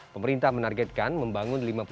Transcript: pemerintah menargetkan membangun lima puluh tujuh